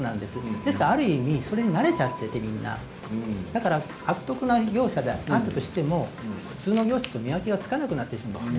ですからある意味それに慣れちゃっていてみんな悪徳業者であるとしても普通の業者と見分けがつかなくなってしまうんです。